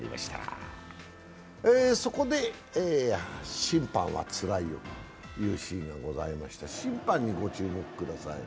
そこで審判はつらいよというシーンがございまして審判にご注目ください。